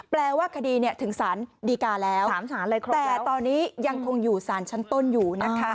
แปลว่าคดีถึงสารดีกาแล้วแต่ตอนนี้ยังคงอยู่สารชั้นต้นอยู่นะคะ